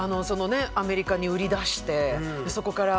アメリカに売り出してそこからね